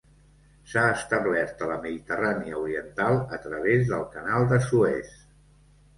S'ha establert a la Mediterrània oriental a través del Canal de Suez.